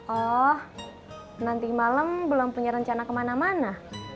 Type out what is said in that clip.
oh nanti malam belum punya rencana kemana mana